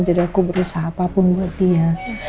jadi aku berusaha apapun buat dia